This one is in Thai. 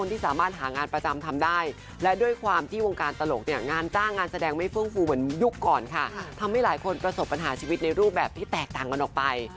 ทำให้หลายคนประสบปัญหาชีวิตในรูปแบบที่แตกต่างกันออกไป